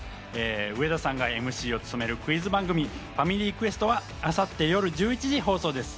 上田さんがＭＣを務めるクイズ番組『ファミリークエスト』は明後日夜１１時放送です。